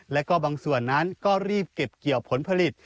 แล้วก็บางส่วนนั้นก็รีบเก็บเกี่ยวผลผลิต